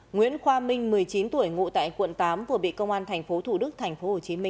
nguyễn khoa minh một mươi chín tuổi ngụ tại quận tám vừa bị công an tp hcm